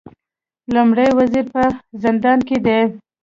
لومړی وزیر په زندان کې دی